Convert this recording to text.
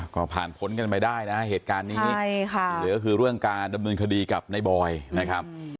ก็ผ่านพ้นกันไปได้นะเหตุการณ์นี้ที่เหลือก็คือเรื่องการดำเนินคดีกับในบอยนะครับ